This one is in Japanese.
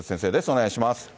お願いします。